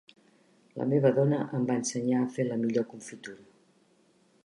La meva dona em va ensenyar a fer la millor confitura.